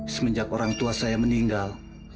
semenjak orang tua saya meninggal